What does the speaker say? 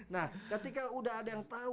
nah ketika udah ada yang tahu